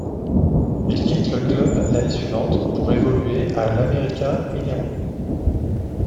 Il quitte le club l'année suivante pour évoluer à l'América Mineiro.